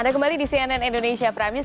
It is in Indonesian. ada kembali di sian dan indonesia prime news